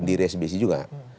jadi ketika saya ditindak